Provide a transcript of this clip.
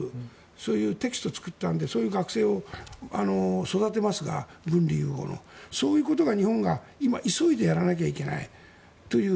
そういうテキストを作ったのでそういう学生を育てますがそういうことが日本が今急いでやらなきゃいけないという。